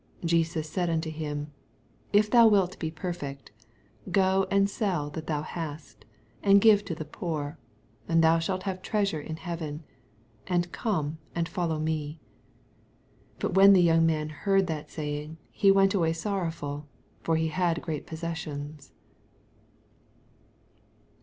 21 Jesus said unto him, If thou wilt be perfect, go and sell that thou hast, and give to the poor, and thou shalt have treasure in heaven: and come and follow me. 22 But when the young man heard that saying, he went away sorrowful : for he had great possessions.